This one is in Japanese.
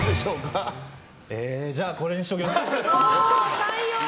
じゃあ、これにしておきます。